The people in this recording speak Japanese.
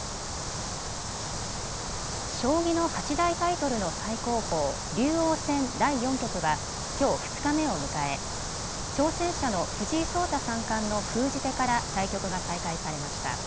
将棋の八大タイトルの最高峰、竜王戦第４局はきょう２日目を迎え挑戦者の藤井聡太三冠の封じ手から対局が再開されました。